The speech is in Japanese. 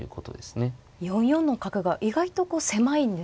４四の角が意外とこう狭いんですね。